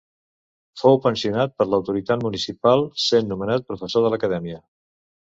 Fou pensionat per l'autoritat municipal sent nomenat professor de l'Acadèmia.